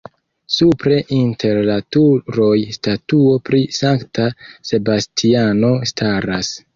Supre inter la turoj statuo pri Sankta Sebastiano staras.